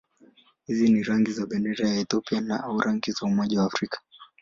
Hizi ni rangi za bendera ya Ethiopia au rangi za Umoja wa Afrika.